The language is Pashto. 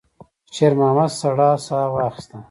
شېرمحمد سړه ساه واخيسته.